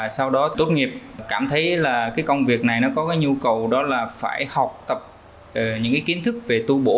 sau đó tốt nghiệp cảm thấy là cái công việc này nó có cái nhu cầu đó là phải học tập những cái kiến thức về tu bổ